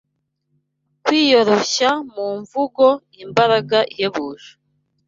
Kwiyoroshya mu mvugo, imbaraga ihebuje